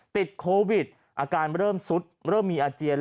ติดโควิดอาการเริ่มซุดเริ่มมีอาเจียน